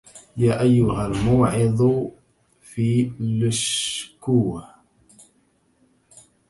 يا أيها الموعوظ في لشكوه